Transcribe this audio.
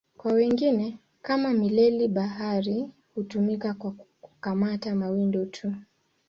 Kwa wengine, kama mileli-bahari, hutumika kwa kukamata mawindo tu.